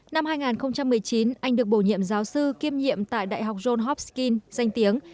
năm hai nghìn một mươi chín anh được bổ nhiệm giáo sư kiêm nhiệm tại đại học john hopskin danh tiếng